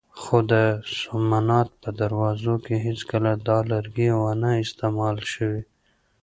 خو د سومنات په دروازو کې هېڅکله دا لرګی نه و استعمال شوی.